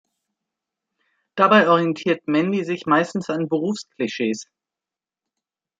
Dabei orientiert Mandy sich meistens an Berufsklischees.